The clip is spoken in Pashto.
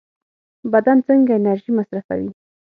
بدن څنګه انرژي مصرفوي؟